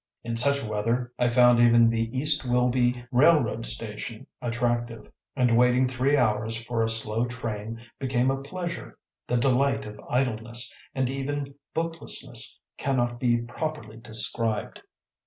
In such weather I found even the East Wilby railroad station attractive, and waiting three hours for a slow train became a pleasure; the delight of idleness and even booklessness cannot be properly described.